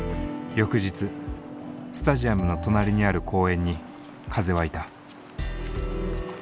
翌日スタジアムの隣にある公園に風はいた。